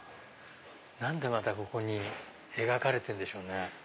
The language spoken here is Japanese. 何でまたここに描かれてるんでしょうね？